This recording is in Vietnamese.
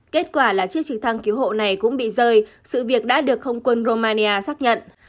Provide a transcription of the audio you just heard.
kết quả là chiếc trực thăng cứu hộ này cũng bị rơi sự việc đã được không quân romania xác nhận